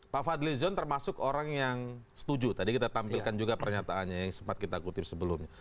pak fadlizon termasuk orang yang setuju tadi kita tampilkan juga pernyataannya yang sempat kita kutip sebelumnya